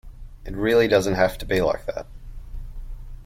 It really doesn't have to be like that